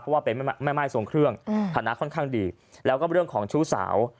เพราะว่าเป็นแม่ม่ายทรงเครื่องฐานะค่อนข้างดีแล้วก็เรื่องของชู้สาว